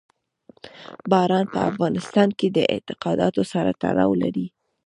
باران په افغانستان کې له اعتقاداتو سره تړاو لري.